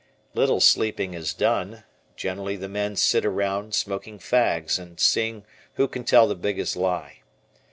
Little sleeping is done; generally the men sit around, smoking fags and seeing who can tell the biggest lie.